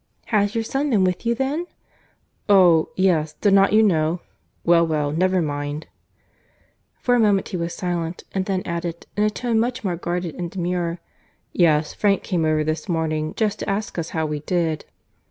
"Has your son been with you, then?" "Oh! yes—did not you know?—Well, well, never mind." For a moment he was silent; and then added, in a tone much more guarded and demure, "Yes, Frank came over this morning, just to ask us how we did."